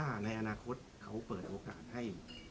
ให้เพศที่๓สามารถจดทะเบียนกันได้